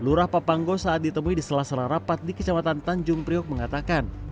lurah papanggo saat ditemui di sela sela rapat di kecamatan tanjung priok mengatakan